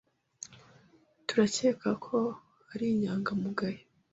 Turakeka ko ari inyangamugayo.